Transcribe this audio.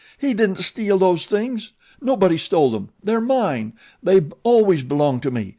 "He didn't steal those things. Nobody stole them. They are mine. They have always belonged to me.